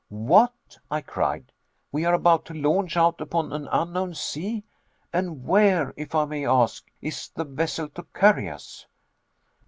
"What!" I cried, "we are about to launch out upon an unknown sea; and where, if I may ask, is the vessel to carry us?"